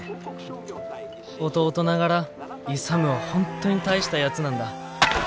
弟ながら勇は本当に大したやつなんだ。